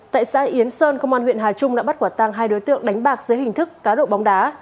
tại xã yến sơn công an huyện hà trung đã bắt quả tăng hai đối tượng đánh bạc dưới hình thức cá độ bóng đá